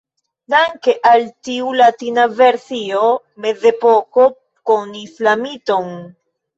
Danke al tiu Latina versio, Mezepoko konis la miton.